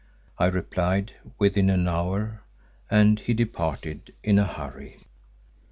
I replied—within an hour, and he departed in a hurry.